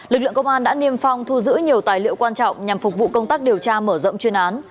lực lượng công an đã niêm phong thu giữ nhiều tài liệu quan trọng nhằm phục vụ công tác điều tra mở rộng chuyên án